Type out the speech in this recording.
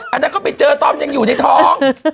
แล้วก็ไปเจอต้อมยังอยู่ในท้อง